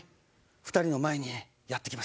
２人の前にやって来ました。